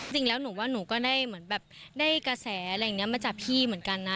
จริงแล้วหนูว่าหนูก็ได้เหมือนแบบได้กระแสอะไรอย่างนี้มาจากพี่เหมือนกันนะ